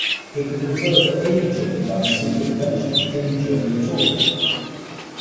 It could refer to any journey by sea and eventually any journey at all.